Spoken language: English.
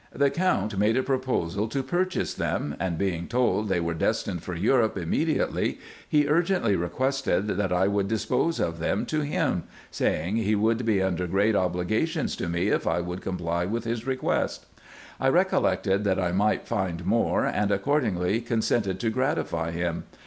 The Count made a proposal to purchase them ; and being told they were destined for Europe immediately, he urgently requested that k k 2 252 RESEARCHES AND OPERATIONS I would dispose of them to him, saying he should be under great obligations to me if I would comply with his request. I recollected that I might find more, and accordingly consented to gratify him.